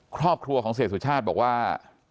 ครอบครัวของเสียสุชาติบอกว่า